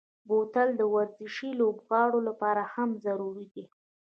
بوتل د ورزشي لوبغاړو لپاره هم ضروري دی.